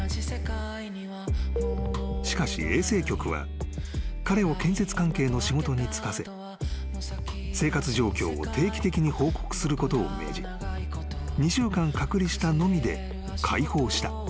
［しかし衛生局は彼を建設関係の仕事に就かせ生活状況を定期的に報告することを命じ２週間隔離したのみで解放した］